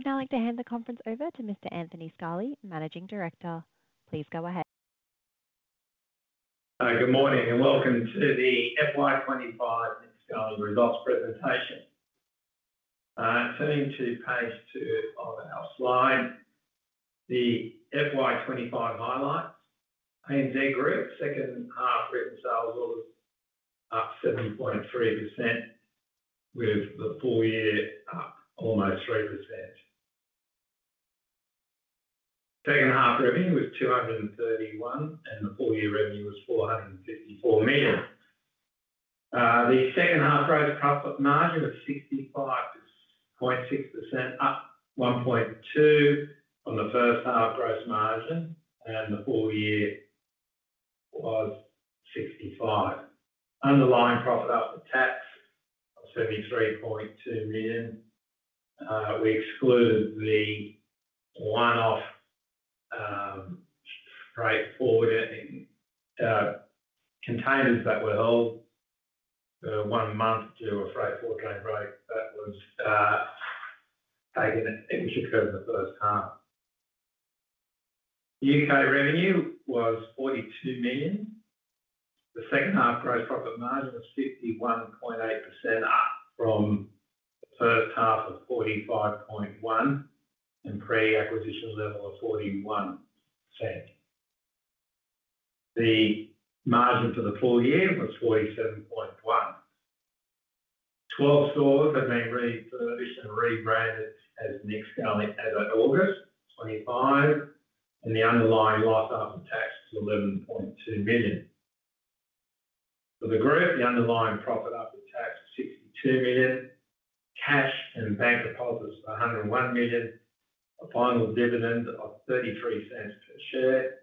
I would now like to hand the conference over to Mr. Anthony Scali, Managing Director. Please go ahead. Hi, good morning, and welcome to the FY 2025 Results Presentation. Turning to page two of our slide, the FY 2025 highlight. ANZ Group, second half revenue sales was up 7.3%, with the full year up almost 3%. Second half revenue was 231 million, and the full year revenue was 454 million. The second half rate of profit margin of 65.6%, up 1.2% on the first half gross margin, and the full year was 65%. Underlying profit after tax was 73.2 million. We excluded the one-off freight forwarding containers that were old. One month due to a freight forwarding route that was taken exit during the first half. UK revenue was 42 million. The second half gross profit margin was 51.8%, up from the first half of 45.1% and pre-acquisition level of 41%. The margin for the full year was 47.1%. 12 stores, the name rebranded and rebranded as Nick Scali as of August 25, and the underlying profit after tax was 11.2 million. For the group, the underlying profit after tax was 62 million. Cash and bank deposits were 101 million. The final dividend of 0.33 per share,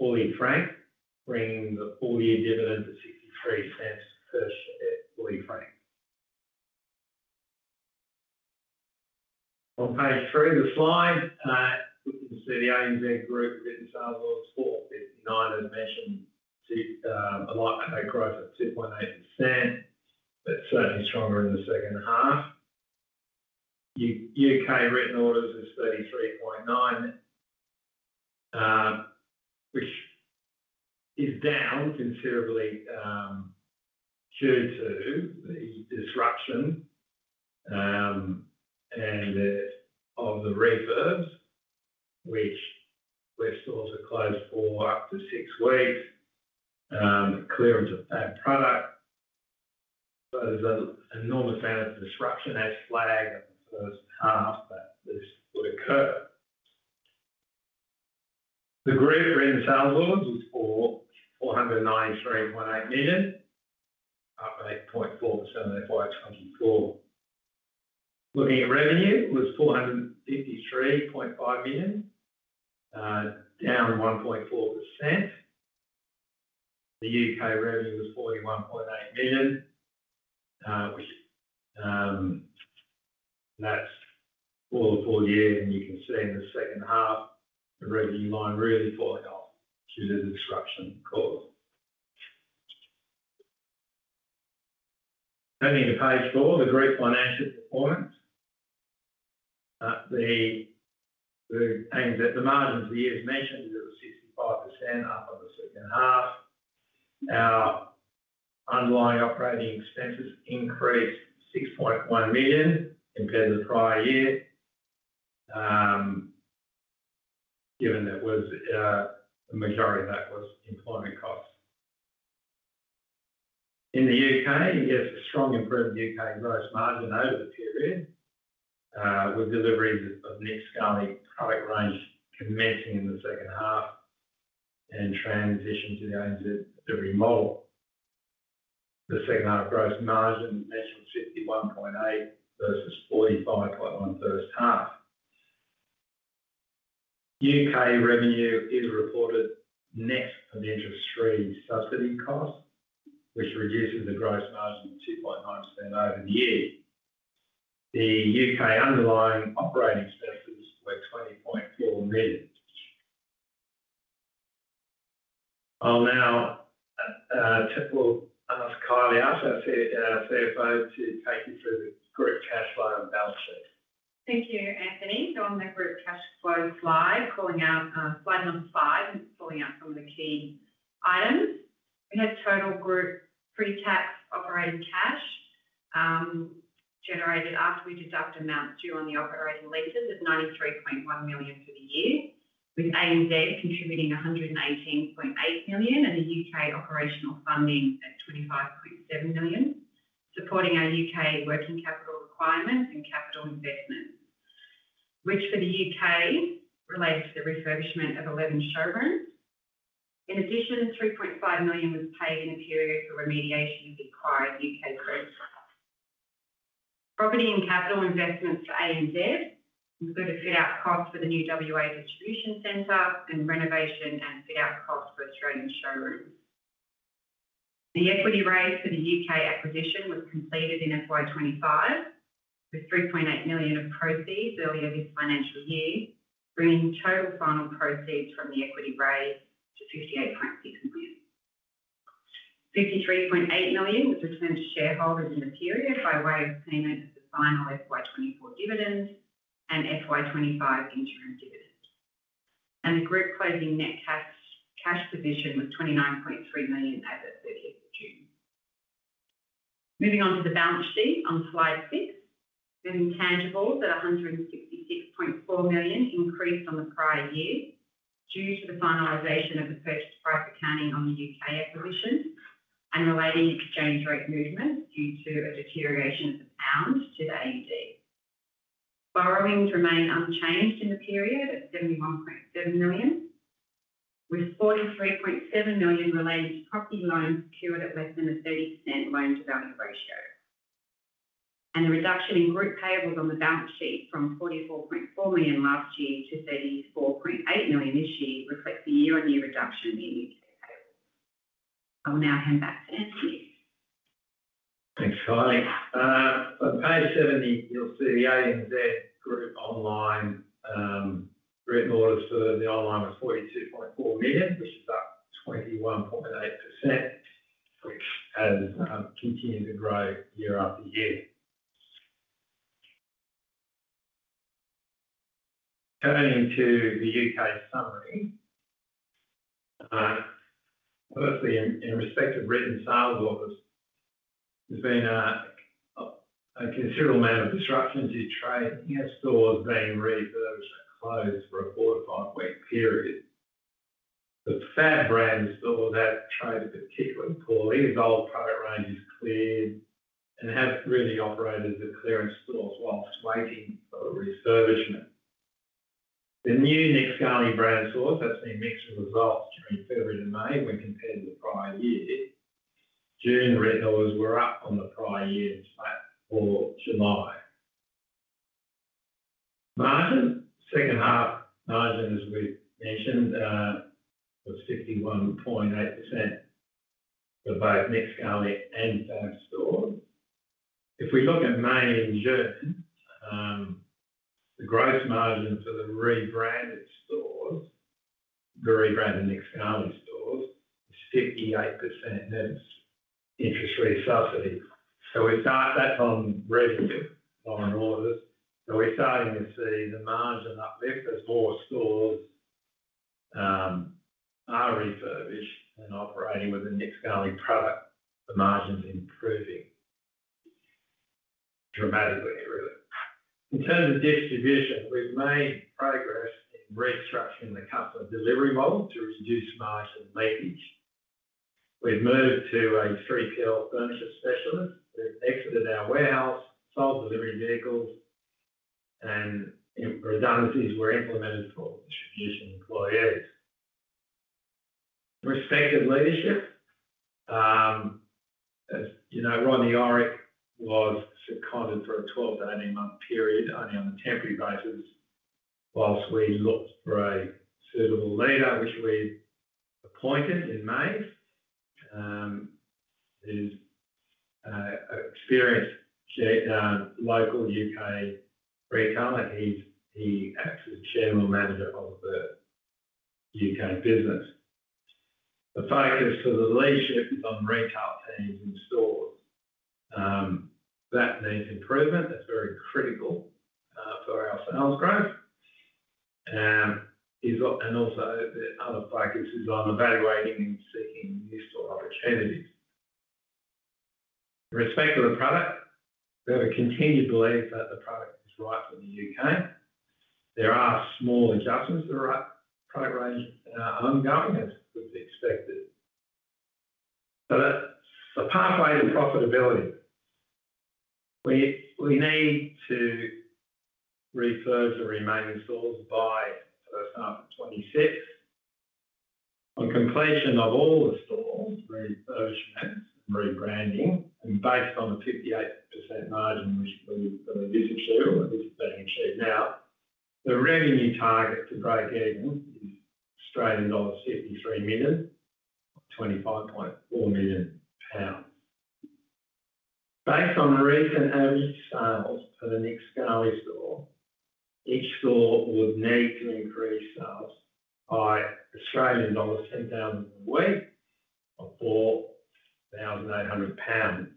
40% franked, bringing the full year dividend to 0.63 per share, 40% franked. On page three of the slide, you see the ANZ Group, Nick Scali was 49.9% of the measurement, a lot of that growth of 2.8%, but certainly stronger in the second half. UK written orders are 33.9%, which is down considerably due to the disruption and the refurbs, which stores are closed for up to six weeks. Clearance of bad product. There is an enormous amount of disruption that's flagged at the first half that this would occur. The group ring sales orders was for 493.8 million, up 8.4% on FY 2024. Looking at revenue, it was 453.5 million, down 1.4%. The UK revenue was 41.8 million. That's all the full year, and you can see in the second half, the revenue line really falling off due to disruption caused. Turning to page four, the group financial performance. The margin for year as mentioned is at 65% for the second half. Our underlying operating expenses increased 6.1 million compared to the prior year, given that the majority of that was employment costs. In the UK, you get a strong improvement in the UK gross margin over the period, with deliveries of Nick Scali product range commencing in the second half and transition to the ANZ delivery model. The second half gross margin measured 51.8% versus 45.1% first half. UK revenue is reported net of interest stream subsidy costs, which reduces the gross margin 2.9% over the year. The UK underlying operating expenses were AUD 20.4 million. I'll now ask Kylie Archer, our CFO, to take you through the group cash flow and balance sheet. Thank you, Anthony. On the group cash flow slide, calling out slide number five and pulling out some of the key items. The internal group pre-tax operating cash generated after we deducted amounts due on the operating leases is 93.1 million for the year, with ANZ contributing 118.8 million and the UK operational funding at 25.7 million, supporting our UK working capital requirements and capital investments, which for the UK relates to the refurbishment of 11 showrooms. In addition, 3.5 million was paid in the period for remediation required UK property. Property and capital investments for ANZ include the fit-out cost for the new WA distribution center, and renovation and fit-out cost for Australian showrooms. The equity raise for the UK acquisition was completed in FY 2025, with 3.8 million of proceeds earlier this financial year, bringing total final proceeds from the raise to 58.6 million. 53.8 million was assigned to shareholders in the period by way of payment of the final FY 2024 dividends and FY 2025 interim dividends. The group closing net cash position was AUD 29.3 million. Moving on to the balance sheet on slide six, we have intangibles at 166.4 million, increased from the prior year due to the finalization of the purchase price accounting on the UK acquisition and relating exchange rate movements due to a deterioration of the pound to the AUD. Borrowings remain unchanged in the period at 71.7 million, with 43.7 million related to property loans secured at less than a 30% loan to balance ratio. The reduction in group payables on the balance sheet from 44.4 million last year to 34.8 million this year reflects the year-on-year reduction in the UK. I will now hand back to Anthony. Thanks, Kylie. On page seven, you'll see the ANZ Group online written orders for the online was 42.4 million, which is up 21.8% and continues to grow year-after-year. Turning to the UK summary, firstly, in respect of written sales orders, there's been a considerable amount of disruption due to training, our stores being rebranded and closed for a four to five-week period. The Fabb brand that trade are particularly poorly. The old product range is cleared and hasn't really operated as a clearance store whilst waiting for the refurbishment. The new Nick Scali brand of stores has been mixed with exhaust between February and May when compared to the prior year. June written orders were up from the prior year to May or July. Second half margin, as we mentioned, was 51.8% for both Nick Scali and [Plush] stores. If we look at main in Germany, the greatest margin for the rebranded stores, the rebranded Nick Scali stores, is 58% net interest-free subsidies. We started that on revenue on orders. We started to see the margin uplift as more stores are refurbished and operating with the Nick Scali product. The margin's improving dramatically, really. In terms of distribution, we've made progress restructuring the customer delivery mode to reduce margin leakage. We've moved to a 3PL furniture specialist who's exited our warehouse, sold delivery vehicles, and redundancies were implemented for producing employees. Respect to leadership, as you know, Rodney Orrick was seconded for a 12-18-month period only on a temporary basis whilst we looked for a suitable leader, which we appointed in May. He's an experienced local UK retailer. He's the actual General Manager of the UK business. The focus for the leadership is on retail teams and stores. That needs improvement. That's very critical for our sales growth. He's also, the other focus is on evaluating and seeking new store opportunities. In respect of the product, we have a continued belief that the product is right for the UK. There are small adjustments to the product range, ongoing as is expected. Apart from the profitability, we need to refurbish the remaining stores by the start of 2026. On completion of all the stores, we're rebranding. Based on the 58% margin we've visited, or at least we're heading to now, the revenue target for [break even] is Australian dollars 53 million, 25.4 million pounds. Based on the recent average sales for the Nick Scali store, each store would need to increase sales by Australian dollars 10,000 per week or 1,800 pounds.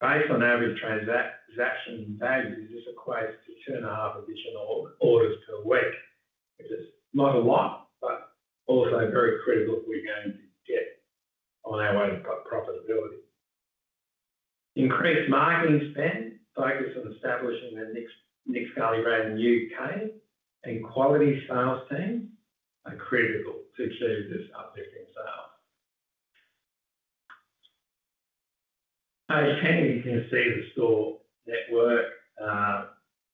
Based on average transaction value, this equates to two and a half additional orders per week, which is not a lot, but also very critical if we're going to get on our own profitability. Increased marketing spend, focus on establishing a Nick Scali brand in the UK, and quality sales teams are critical to achieve this uplift in sales. In technical, you can see the store network.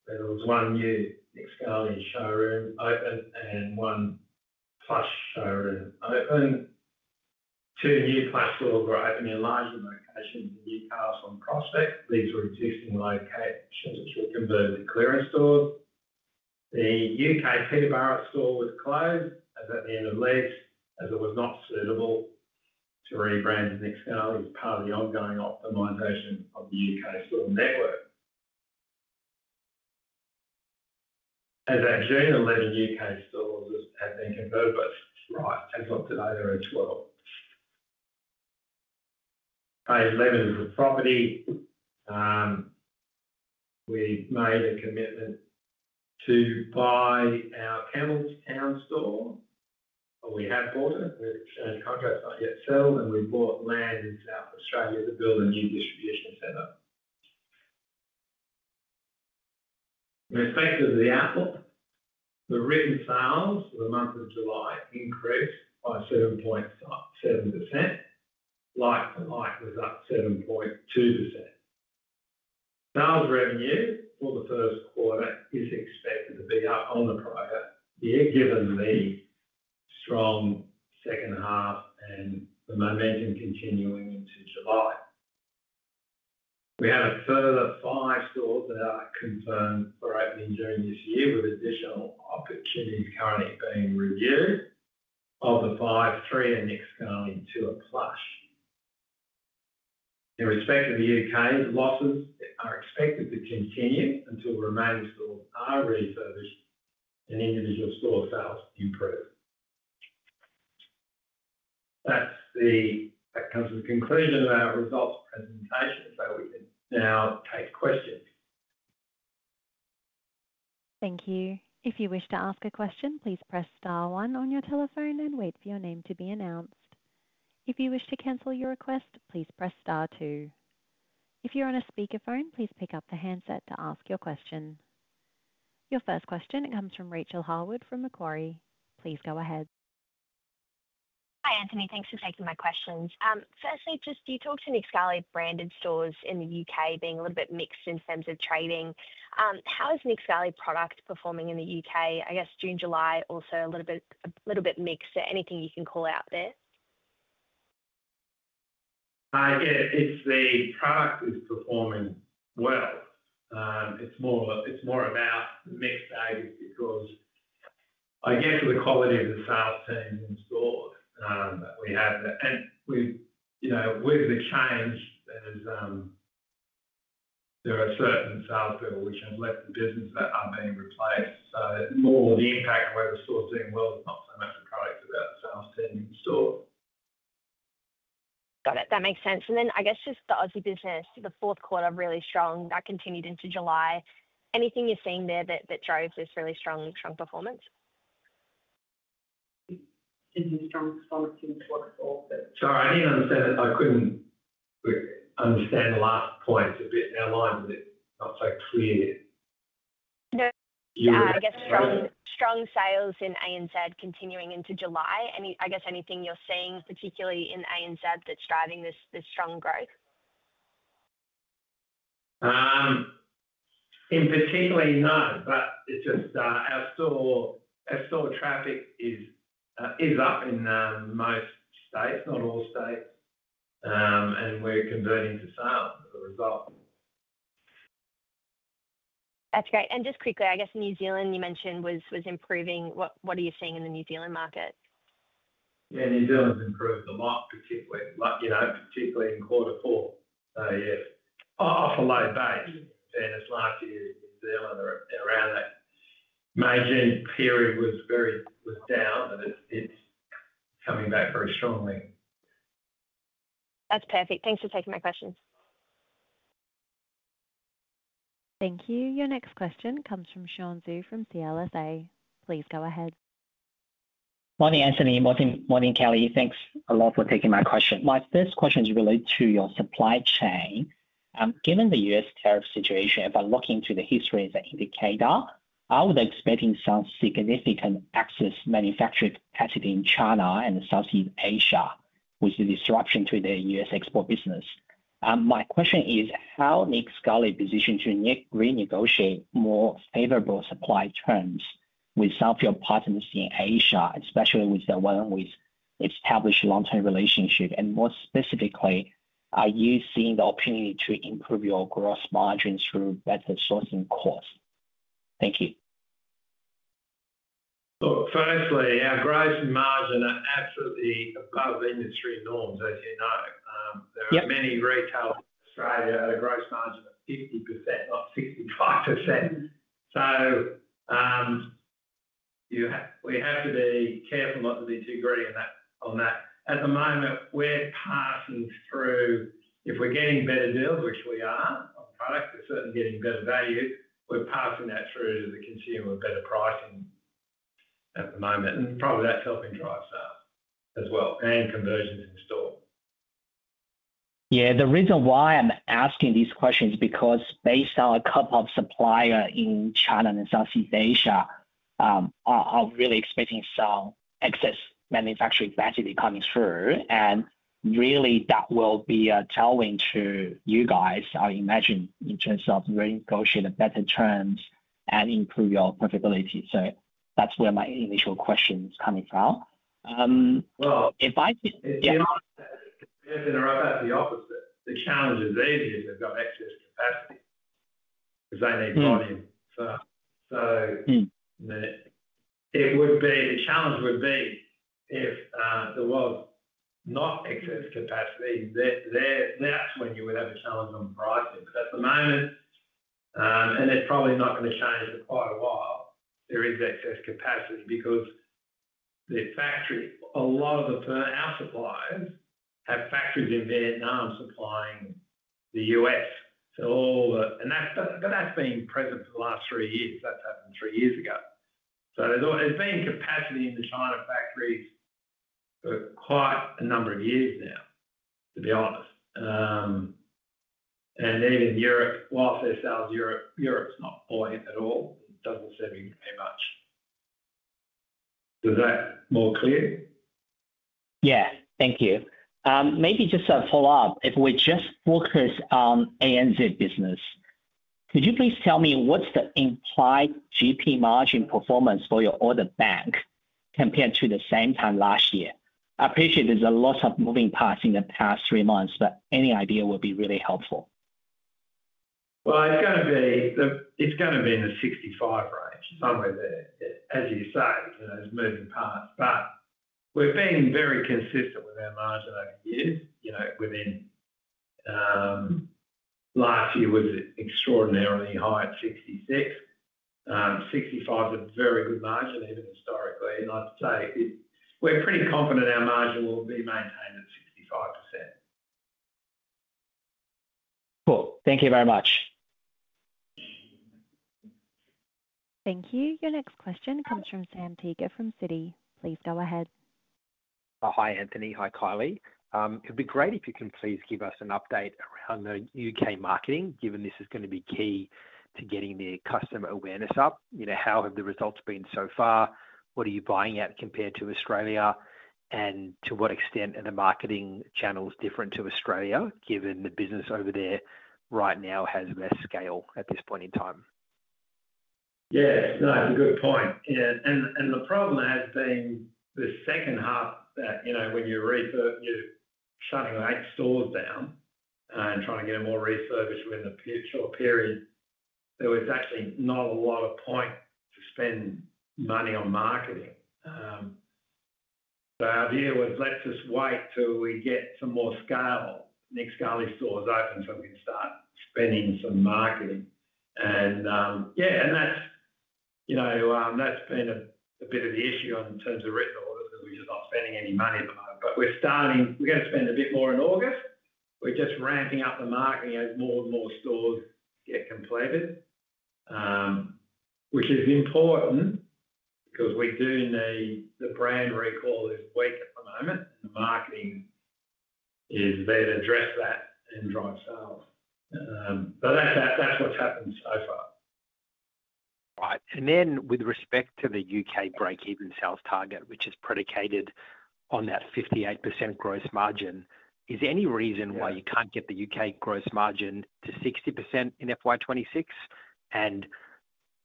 There was one new Nick Scali showroom opened and one Plush showroom opened. Two new Plush stores were opened in larger locations in Newcastle and Prospect, leading to existing locations reconverted to clearance stores. The UK Peterborough store was closed at the end of lease as it was not suitable to rebrand to Nick Scali. It was part of the ongoing optimization of the UK store network. As at June 11, UK stores have been converted as opted over as well. Page 11 is the property. We made a commitment to buy our [Artarmon] store, or we had bought it. The contract's not yet settled, and we bought land in South Australia to build a new distribution center. In respect of the outlook, the written sales for the month of July increased by 7.7%. Like for like, was up 7.2%. Sales revenue for the first quarter is expected to be up on the prior year given the strong second half and the momentum continuing into July. We had a further five stores that are confirmed for opening during this year with additional opportunities currently being reviewed. Of the five, three are Nick Scali, two are Plush. In respect of the UK, losses are expected to continue until the remaining stores are refurbished and individual store sales improve. That's the conclusion of our results presentation, so we can now take questions. Thank you. If you wish to ask a question, please press star one on your telephone and wait for your name to be announced. If you wish to cancel your request, please press star two. If you're on a speaker phone, please pick up the handset to ask your question. Your first question comes from Rachael Harwood from Macquarie. Please go ahead. Hi, Anthony. Thanks for taking my questions. Firstly, do you talk to Nick Scali branded stores in the UK being a little bit mixed in terms of trading? How is Nick Scali product performing in the UK? I guess June, July, also a little bit mixed. Anything you can call out there? Again, it's the product is performing well. It's more about the mixed agents because, I guess, with the quality of the sales team in the store that we have, and with the change, there are certain salespeople which have left the business that are being replaced. The more the impact on where the store's doing well is not so much as how they're doing on sales in the new store. Got it. That makes sense. I guess, just the Aussie business, the fourth quarter really strong. That continued into July. Anything you're seeing there that drove this really strong, strong performance? Is it from solitude? Sorry, I didn't understand it. I couldn't understand the last points a bit. Their lines are not so clear. I guess from strong sales in ANZ continuing into July. Anything you're seeing, particularly in ANZ, that's driving this strong growth? No, it's just our store traffic is up in most states, not all states, and we're converting to sales as a result. That's great. Just quickly, I guess, New Zealand you mentioned was improving. What are you seeing in the New Zealand market? New Zealand's improved a lot, particularly, you know, particularly in quarter four. An awful lot of data. Fairness lies to New Zealand around that. The margin period was down, and it's coming back very strongly. That's perfect. Thanks for taking my questions. Thank you. Your next question comes from Sean Xu from CLSA. Please go ahead. Morning, Anthony. Morning, Kylie. Thanks a lot for taking my question. My first question is related to your supply chain. Given the U.S. tariff situation, but looking to the history of the indicator, I was expecting some significant excess manufacturing capacity in China and Southeast Asia, which is a disruption to the U.S. export business. My question is, how is Nick Scali positioned to renegotiate more favorable supply terms with some of your partners in Asia, especially with the one who's established a long-term relationship? More specifically, are you seeing the opportunity to improve your gross margins through better sourcing costs? Thank you. Our gross margin is absolutely above industry norms, as you know. There are many retailers in Australia who have a gross margin of 50%, not 65%. You have to be careful not to be too green on that. At the moment, we're passing through, if we're getting better deals, which we are, our products are certainly getting better value, we're passing that through to the consumer at a better price than at the moment. Probably that's helping drive sales as well and conversions in store. The reason why I'm asking these questions is because based on a couple of suppliers in China and Southeast Asia, I'm really expecting some excess manufacturing capacity coming through. That will be telling to you guys, I imagine, in terms of renegotiating better terms and improving your profitability. That's where my initial question is coming from. If I just interrupt, the opposite, the challenge of these is they've got excess capacity because they need money. The challenge would be if there was not excess capacity, that's when you would have a challenge on pricing. At the moment, and it's probably not going to change for quite a while, there is excess capacity because a lot of our suppliers have factories in Vietnam supplying the U.S. That's been present for the last three years. That happened three years ago. There's been capacity in the China factories for quite a number of years now, to be honest. Even Europe, whilst their sales in Europe are not poor at all, it doesn't seem to be very much. Is that more clear? Yeah, thank you. Maybe just a follow-up. If we're just focused on ANZ business, could you please tell me what's the implied gross margin performance for your order bank compared to the same time last year? I appreciate there's a lot of moving parts in the past three months, but any idea would be really helpful. It's going to be in the 65% range, somewhere there. As you say, there's moving parts. We've been very consistent with our margin over the years. Within last year, it was extraordinarily high at 66%. 65% is a very good margin even historically. I'd say we're pretty confident our margin will be maintained at 65%. Cool. Thank you very much. Thank you. Your next question comes from Sam Teeger from Citi. Please go ahead. Hi, Anthony. Hi, Kylie. It'd be great if you can please give us an update around the UK marketing, given this is going to be key to getting their customer awareness up. How have the results been so far? What are you buying at compared to Australia? To what extent are the marketing channels different to Australia, given the business over there right now has less scale at this point in time? Yeah, no, it's a good point. The problem has been the second half, you know, when you're shutting eight stores down and trying to get more refurbished within the short period, there was actually not a lot of point to spend money on marketing. Our view was let's just wait till we get some more scale, Nick Scali stores open, so we can start spending some marketing. Yeah, that's been a bit of the issue in terms of written orders because we're just not spending any money behind. We're starting, we're going to spend a bit more in August. We're just ramping up the marketing as more and more stores get completed, which is important because we do need the brand recall is weak at the moment. Marketing is there to address that and drive sales. That's what's happened so far. Right. With respect to the UK break-even sales target, which is predicated on that 58% gross margin, is there any reason why you can't get the UK gross margin to 60% in FY 2026?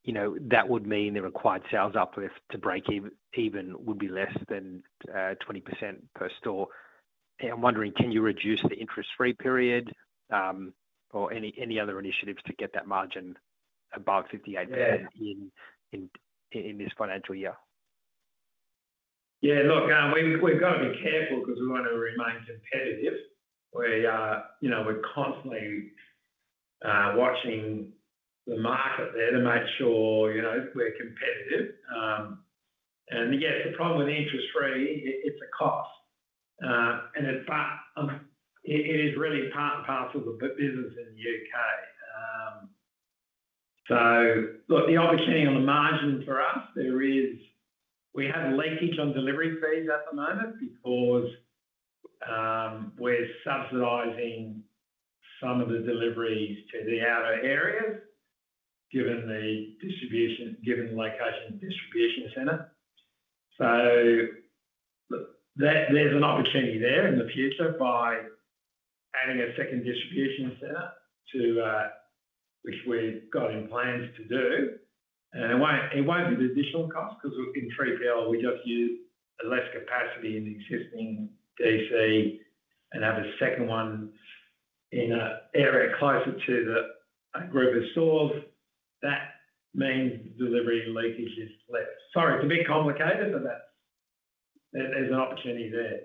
You know, that would mean the required sales uplift to break-even would be less than 20% per store. I'm wondering, can you reduce the interest-free period or any other initiatives to get that margin above 58% in this financial year? Yeah, look, we've got to be careful because we want to remain competitive. We're constantly watching the market there to make sure we're competitive. The problem with interest-free, it's a cost, and it is really part and parcel of the business in the UK. The opportunity on the margin for us there is we have leakage on delivery fees at the moment because we're subsidizing some of the deliveries to the outer areas given the location of the distribution center. There's an opportunity there in the future by adding a second distribution center, which we've got in plans to do. It won't be the additional cost because in 3PL, we just use less capacity in the existing DC and have a second one in an area closer to a group of stores. That means the delivery leakage is less. Sorry, it's a bit complicated, but there's an opportunity there.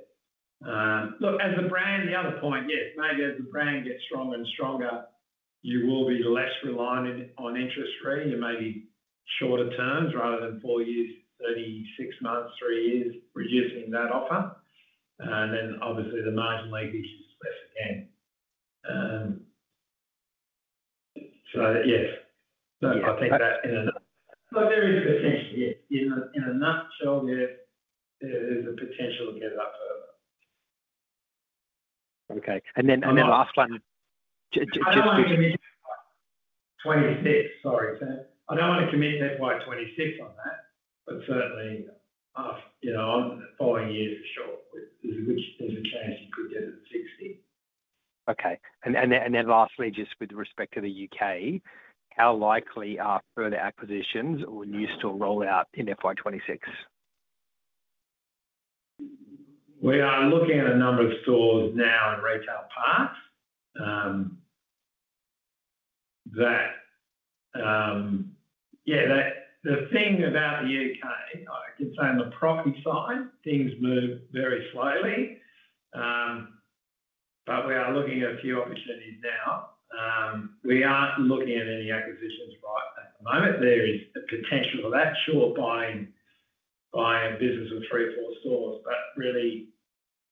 As a brand, the other point, yes, maybe as the brand gets stronger and stronger, you will be less reliant on interest-free and maybe shorter terms rather than four years, 36 months, three years, reducing that offer. Obviously, the margin leakage is less again. I think that in a nutshell, there's a potential to get it up. Okay. The last one. I don't want to commit to FY 2026, sorry. I don't want to commit to FY 2026 on that. Certainly, on the following year for sure, there's a good chance you could get it at 60. Okay. Lastly, just with respect to the UK, how likely are further acquisitions or new store rollout in FY 2026? We are looking at a number of stores now in retail part. The thing about it, I can say on the property side, things move very slowly. We are looking at a few opportunities now. We aren't looking at any acquisitions right at the moment. There is a potential for that, sure, buying business with three, four stores. Really,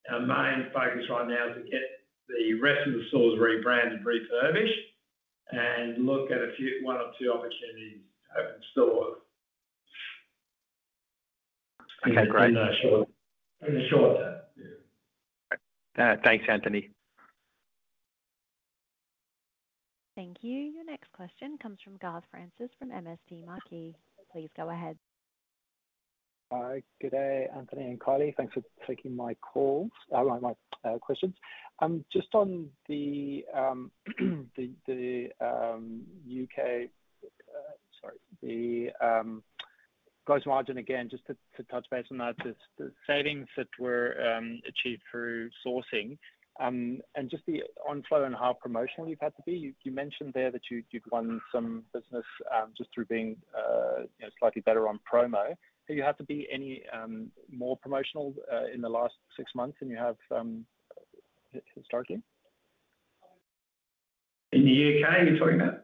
our main focus right now is to get the rest of the stores rebranded, refurbished, and look at a few one or two opportunities open stores. Okay, great. In the short term. Thanks, Anthony. Thank you. Your next question comes from Garth Francis from MST Marquee. Please go ahead. Hi. Good day, Anthony and Kylie. Thanks for taking my calls, my questions. Just on the UK, sorry, the gross margin again, just to touch base on that, the savings that were achieved through sourcing and just the on-flow and how promotional you've had to be. You mentioned there that you've won some business just through being slightly better on promo. Have you had to be any more promotional in the last six months than you have historically? In the UK, you're talking about?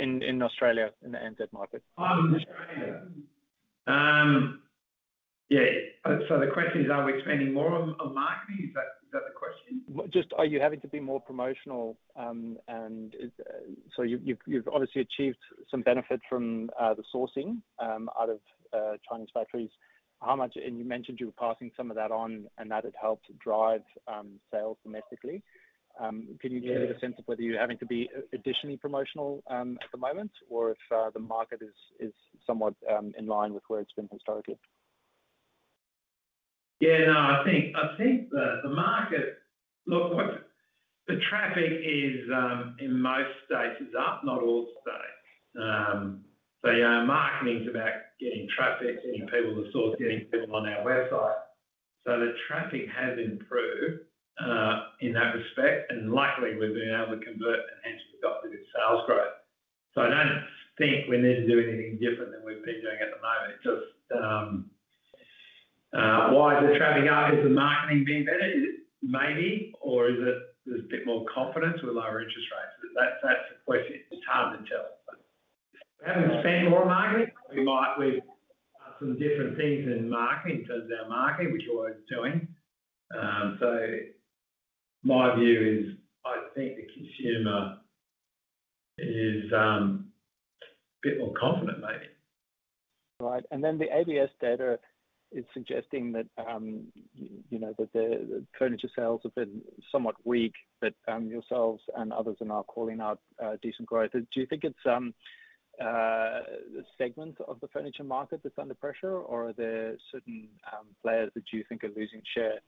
In Australia, in the ANZ market. Australia. Yeah, the question is, are we spending more on marketing? Is that the question? Are you having to be more promotional? You've obviously achieved some benefits from the sourcing out of Chinese factories. How much? You mentioned you were passing some of that on and that had helped drive sales domestically. Can you give me a sense of whether you're having to be additionally promotional at the moment or if the market is somewhat in line with where it's been historically? Yeah, no, I think the market, look, what the traffic is in most states is up, not all states. Marketing's about getting traffic, getting people to source, getting people on our website. The traffic has improved in that respect. Luckily, we've been able to convert and actually got the good sales growth. I don't think we need to do anything different than we've been doing at the moment. Just why is the traffic up? Is the marketing being better? Maybe. Or is it there's a bit more confidence with lower interest rates? That's the question. It's hard to tell. We haven't spent more on marketing. We might. We've done some different things in marketing in terms of our marketing, which you're already doing. My view is I think the consumer is a bit more confident, maybe. Right. The ABS data is suggesting that, you know, the furniture sales have been somewhat weak, but yourselves and others are now calling out decent growth. Do you think it's a segment of the furniture market that's under pressure, or are there certain players that you think are losing share?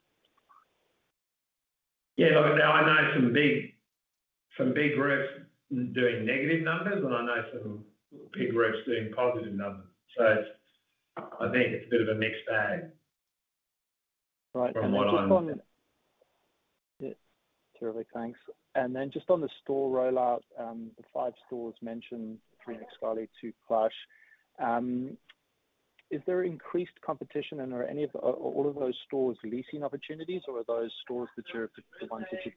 Yeah, look, I know some big groups doing negative numbers, and I know some big groups doing positive numbers. I think it's a bit of a mixed bag from what I know. Terrific, thanks. Just on the store rollout, the five stores mentioned, three Nick Scali, two Plush, is there increased competition, and are any or all of those stores leasing opportunities, or are those stores that you've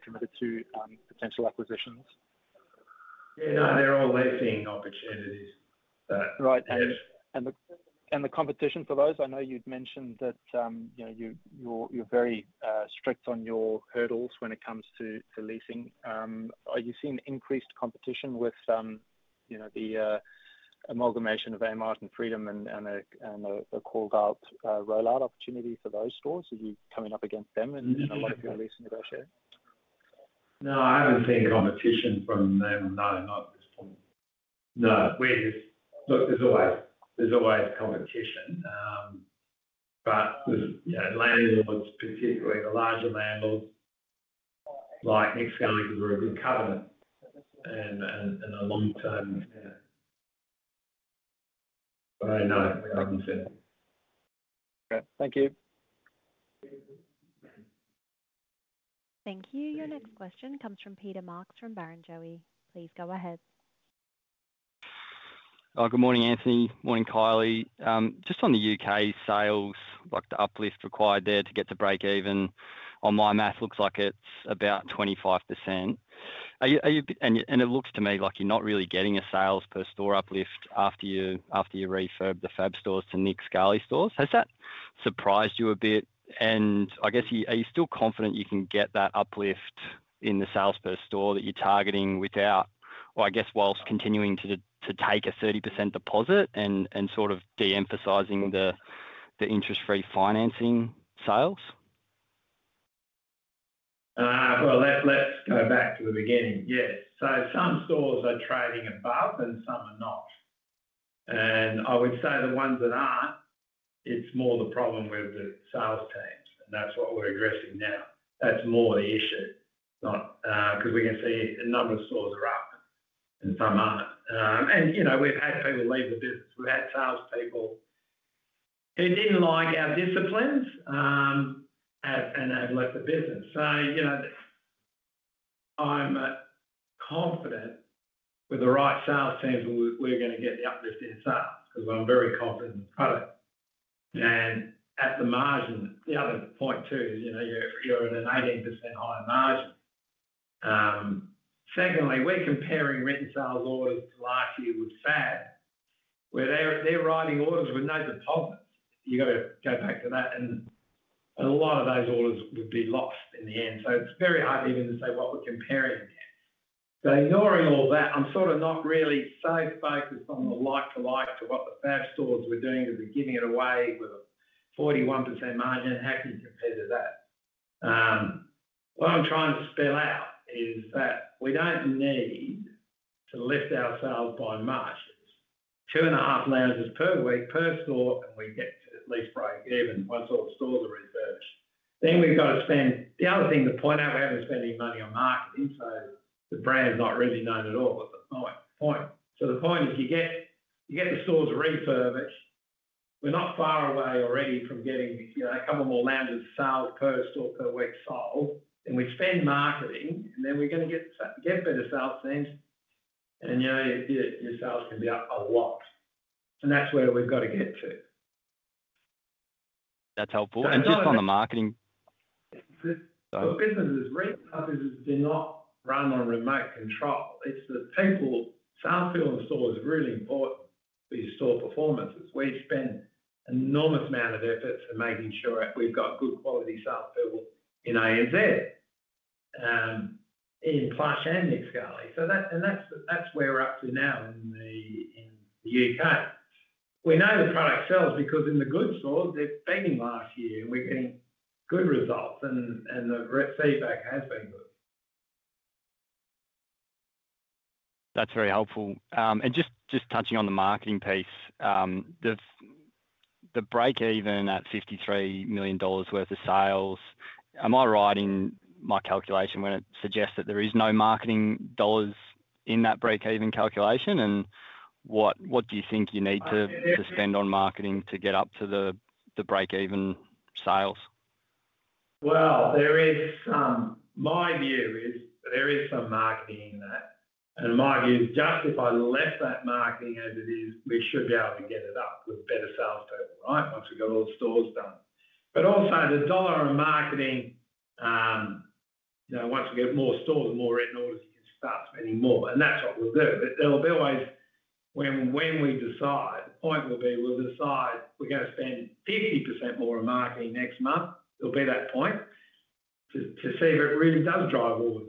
committed to potential acquisitions? Yeah, no, they're all leasing opportunities. Right. The competition for those, I know you'd mentioned that you're very strict on your hurdles when it comes to leasing. Are you seeing increased competition with the amalgamation of Amart and Freedom and the called-out rollout opportunity for those stores? Are you coming up against them in a lot of your leasing negotiations? No, I don't think competition from them and no, not at this point. There's always competition. Landlords, particularly the larger landlords, like Nick Scali because we're a good covenant and a long-term... No, we haven't seen. Okay, thank you. Thank you. Your next question comes from Peter Marks from Barrenjoey. Please go ahead. Oh, good morning, Anthony. Morning, Kylie. Just on the UK sales, like the uplift required there to get to break-even, on my math, looks like it's about 25%. Are you? It looks to me like you're not really getting a sales per store uplift after you refurb the Fabb stores to Nick Scali stores. Has that surprised you a bit? I guess, are you still confident you can get that uplift in the sales per store that you're targeting without, or I guess, whilst continuing to take a 30% deposit and sort of de-emphasizing the interest-free financing sales? Let's go back to the beginning. Yes. Some stores are trading above and some are not. I would say the ones that are, it's more the problem with the sales teams. That's what we're addressing now. That's more the issue, not because we can see a number of stores are up and some aren't. We've had people leave the business. We've had salespeople who didn't like our disciplines and have left the business. I'm confident with the right sales teams, we're going to get the uplift in sales because I'm very confident in the product. At the margin, the other point too is, you're at an 18% higher margin. Secondly, we're comparing written sales orders to last year with Fabb, where they're writing orders with no deposit. You've got to go back to that, and a lot of those orders would be lost in the end. It's very hard even to say what we're comparing there. Ignoring all that, I'm sort of not really so focused on the like-for-like to what the Fabb stores were doing at the beginning of the way with a 41% margin. How can you compare to that? What I'm trying to spell out is that we don't need to lift ourselves by much. It's 2.5 loans per week per store, and we get to at least break even once all stores are refurbished. We've got to spend—the other thing to point out, we haven't spent any money on marketing. The brand's not really known at all at the point. The point is you get the stores refurbished. We're not far away already from getting a couple more loans of sales per store per week sold. We spend marketing, and then we're going to get better sales teams. Your sales can be up a lot, and that's where we've got to get to. That's helpful. Just on the marketing. Retail businesses do not run on remote control. It's the people, salespeople in stores are really important for your store performance. We spend an enormous amount of effort in making sure that we've got good quality salespeople in ANZ, in Plush and Nick Scali. That's where we're up to now in the UK. We know the product sells because in the good stores, they're banging last year, and we're getting good results, and the feedback has been good. That's very helpful. Just touching on the marketing piece, the break-even at 53 million dollars worth of sales, am I right in my calculation when it suggests that there is no marketing dollars in that break-even calculation? What do you think you need to spend on marketing to get up to the break-even sales? There is some marketing in that. My view is just if I left that marketing as it is, we should be able to get it up with better salespeople, right? Once we've got all the stores done. Also, the dollar on marketing, you know, once we get more stores and more written orders, you can start spending more. That's what we'll do. There'll be always, when we decide, the point will be, we'll decide we're going to spend 50% more on marketing next month. It'll be that point to see if it really does drive orders.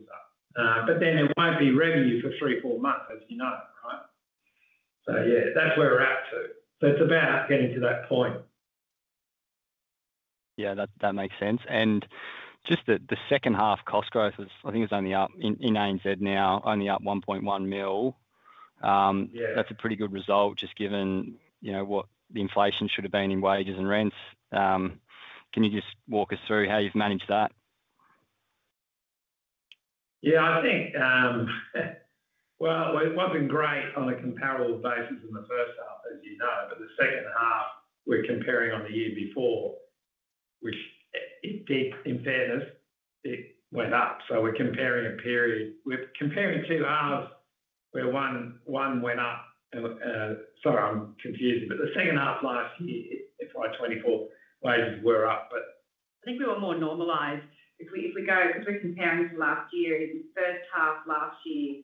Then it won't be revenue for three or four months, as you know it, right? That's where we're at too. It's about getting to that point. Yeah, that makes sense. Just the second half cost growth, I think it's only up in ANZ now, only up 1.1 million. That's a pretty good result just given what the inflation should have been in wages and rents. Can you just walk us through how you've managed that? I think it wasn't great on a comparable basis in the first half, as you know. The second half, we're comparing on the year before, which it did, in fairness, it went up. We're comparing a period, we're comparing two halves where one went up. The second half last year, FY 2024, wages were up. I think we want more normalized. If we're comparing it to last year and the first half last year,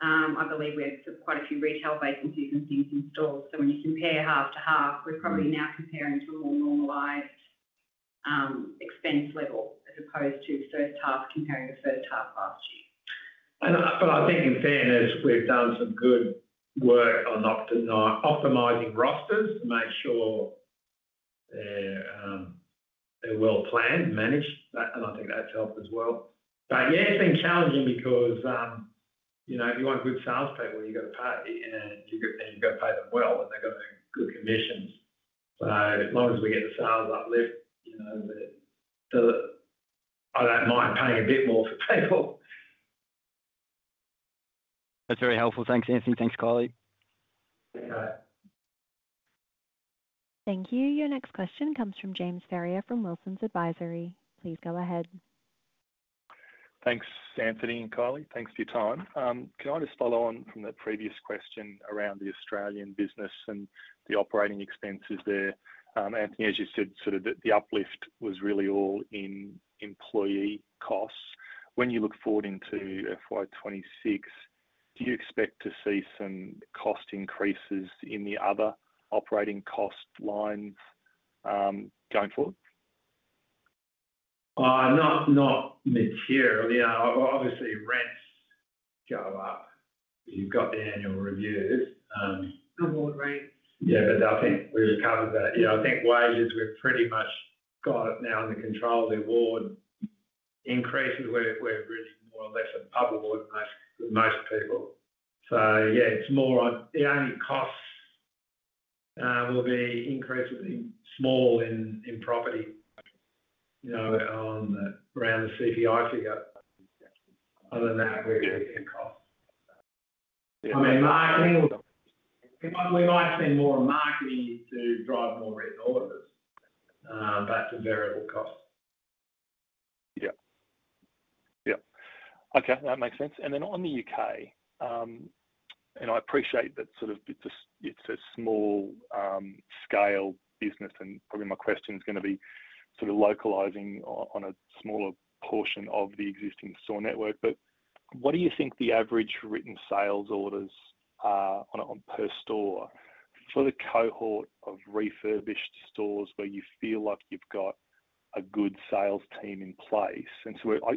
I believe we had quite a few retail vacancies and things in store. When you compare half to half, we're probably now comparing to a more normalized expense level as opposed to first half comparing to first half last year. I think in fairness, we've done some good work on optimizing rosters to make sure they're well planned and managed. I think that's helped as well. It's been challenging because, you know, if you want good salespeople, you've got to pay, and then you've got to pay them well, and they've got to do commissions. As long as we get the sales uplift, you know, I don't mind paying a bit more for people. That's very helpful. Thanks, Anthony. Thanks, Kylie. Thank you. Your next question comes from James Ferrier from Wilsons Advisory. Please go ahead. Thanks, Anthony and Kylie. Thanks for your time. Can I just follow on from the previous question around the Australian business and the operating expenses there? Anthony, as you said, the uplift was really all in employee costs. When you look forward into FY 2026, do you expect to see some cost increases in the other operating cost lines going forward? Not materially. Obviously, rents go up. You've got the annual reviews. Award rates. I think we've covered that. I think wages, we've pretty much got it now under control. The award increases, we're really more or less above awards for most people. It's more on the only costs will be increasingly small in property, you know, around the CPI figure. Other than that, we've got good costs. I mean, the only thing we might spend more on is marketing to drive more written orders, but that's a variable cost. Yeah, okay, that makes sense. On the UK, I appreciate that it's a small scale business, and probably my question is going to be localizing on a smaller portion of the existing store network. What do you think the average written sales orders are on a per store for the cohort of refurbished stores where you feel like you've got a good sales team in place?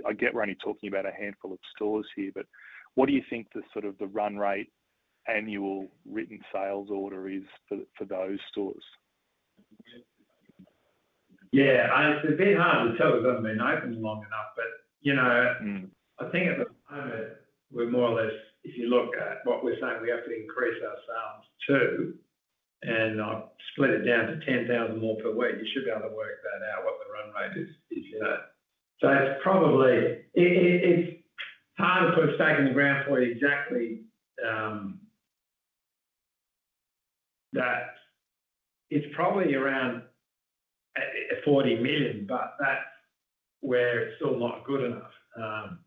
I get we're only talking about a handful of stores here, but what do you think the run rate annual written sales order is for those stores? Yeah, it's a bit hard to tell because they haven't been open long enough, but you know, I think we're more or less, if you look at what we're saying, we have to increase our sales too, and I've split it down to 10,000 more per week. You should be able to work that out, what the run rate is. It's probably, it's hard to put a stake in the ground for you exactly, that it's probably around 40 million, but that's where it's still not good enough.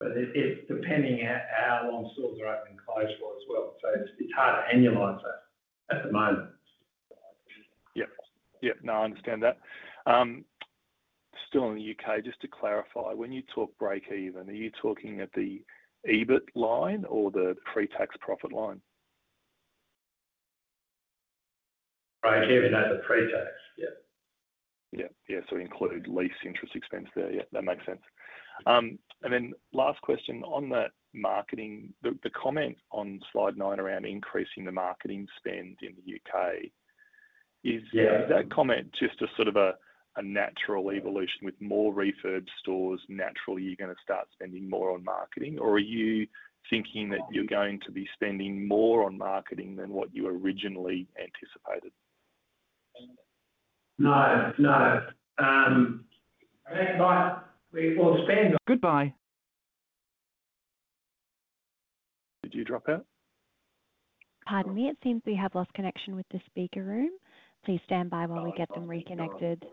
It's depending on how long stores are open and closed for as well. It's hard to annualize that at the moment. Yeah, yeah, no, I understand that. Still in the UK, just to clarify, when you talk break-even, are you talking at the EBIT line or the pre-tax profit line? UK revenue, that's a pre-tax. Yeah. Yeah. We included lease interest expense there. Yeah, that makes sense. Last question on the marketing, the comment on slide nine around increasing the marketing spend in the UK, is that comment just a sort of a natural evolution with more refurb stores? Naturally, you're going to start spending more on marketing, or are you thinking that you're going to be spending more on marketing than what you originally anticipated? Right. We will spend. Goodbye. Did you drop out? Pardon me, it seems we have lost connection with the speaker room. Please stand by while we get them reconnected.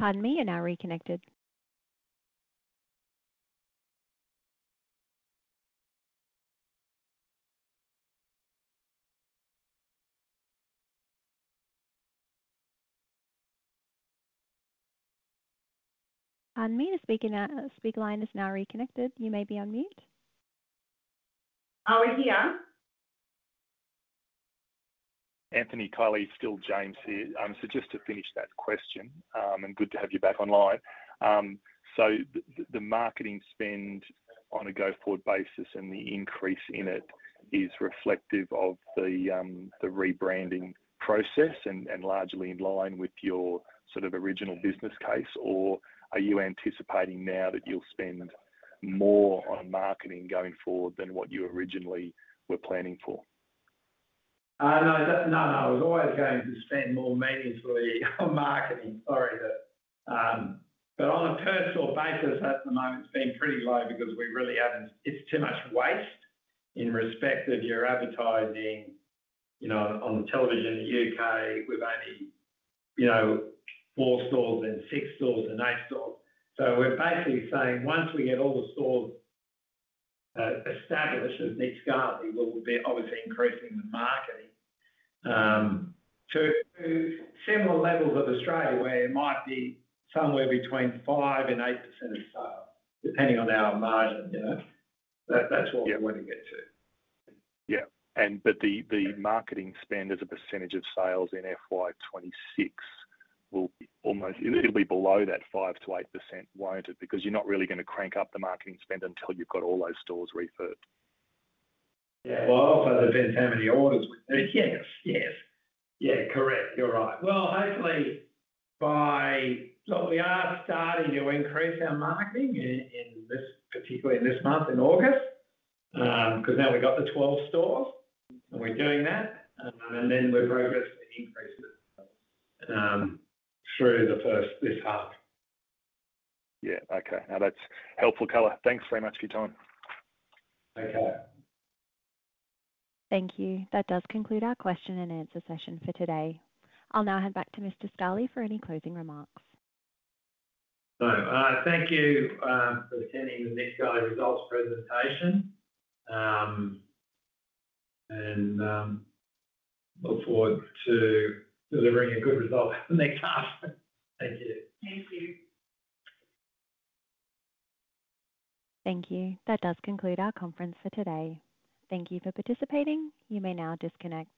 Pardon me, we are reconnected. Unmute. The speaker line is now reconnected. You may unmute. Are we here? Anthony, Kylie, still James here. Just to finish that question, good to have you back online. The marketing spend on a go-forward basis and the increase in it is reflective of the rebranding process and largely in line with your sort of original business case, or are you anticipating now that you'll spend more on marketing going forward than what you originally were planning for? I was always going to spend more meaningfully on marketing, sorry. On a per-store basis, at the moment, it's been pretty low because we really haven't, it's too much waste in respect of your advertising, you know, on the television in the UK with only, you know, four stores and six stores and eight stores. We're basically saying once we get all the stores established as Nick Scali, we'll be obviously increasing the marketing to similar levels of Australia where it might be somewhere between 5% and 8% of sales, depending on our margin. That's what we want to get to. Yeah, the marketing spend as a percentage of sales in FY 2026 will almost, it'll be below that 5%-8%, won't it? Because you're not really going to crank up the marketing spend until you've got all those stores refurbished. It depends how many orders we do. Yes, yes. You're right. Hopefully, we are starting to increase our marketing, particularly in this month in August, because now we've got the 12 stores and we're doing that. We're progressing to increase it through the first half. Okay. No, that's helpful, Kylie. Thanks very much for your time. Okay. Thank you. That does conclude our question-and-answer session for today. I'll now hand back to Mr. Scali for any closing remarks. All right. Thank you for attending the Nick Scali results presentation. I look forward to delivering a good result next half, thank you. Thank you. Thank you. That does conclude our conference for today. Thank you for participating. You may now disconnect.